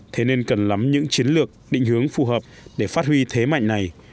thế nên cần lắm những chiến lược định hướng phù hợp để phát huy thế mạnh này